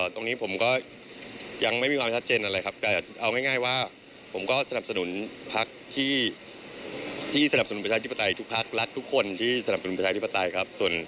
ตอนนี้ก็คือขอดูจังหวะก่อนครับ